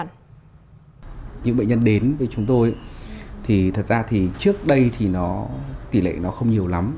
những bệnh nhân đến với chúng tôi thì thật ra thì trước đây thì tỷ lệ nó không nhiều lắm